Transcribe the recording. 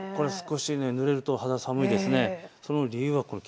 ぬれると肌寒いですね。